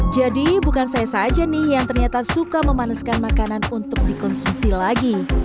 jadi bukan saya saja nih yang ternyata suka memanaskan makanan untuk dikonsumsi lagi